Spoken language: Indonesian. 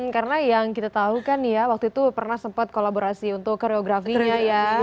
karena yang kita tahu kan ya waktu itu pernah sempat kolaborasi untuk koreografinya ya